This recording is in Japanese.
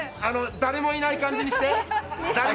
誰もいない感じにして。